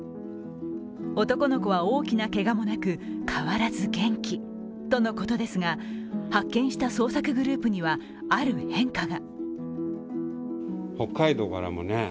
男の子は大きなけがもなく、変わらず元気とのことですが、発見した捜索グループにはある変化が。